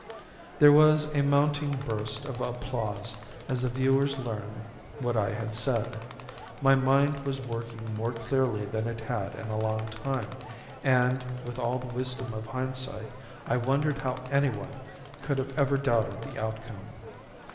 There was a mounting burst of applause as the viewers learned what I had said. My mind was working more clearly than it had in a long time and, with all the wisdom of hindsight, I wondered how anyone could have ever doubted the outcome.